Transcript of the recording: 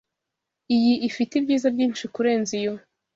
Iyi ifite ibyiza byinshi kurenza iyo